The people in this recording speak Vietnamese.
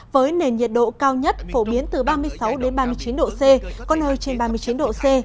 với nền nhiệt độ cao nhất phổ biến từ ba mươi sáu ba mươi chín độ c có nơi trên ba mươi chín độ c